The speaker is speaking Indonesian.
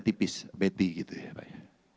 tipis betty gitu ya pak ya